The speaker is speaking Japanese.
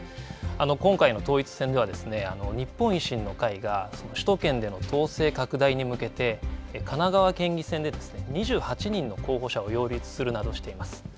今回の統一選では日本維新の会が首都圏での党勢拡大に向けて神奈川県議選で２８人の候補者を擁立するなどしています。